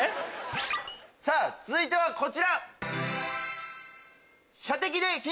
さぁ続いてはこちら。